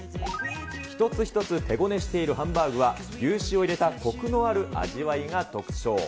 一つ一つ手ごねしているハンバーグは、牛脂を入れたこくのある味わいが特徴。